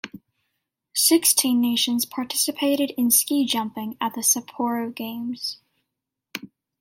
Sixteen nations participated in ski jumping at the Sapporo Games.